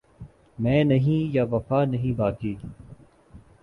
میں نہیں یا وفا نہیں باقی